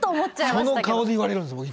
その顔で言われるんですいつも。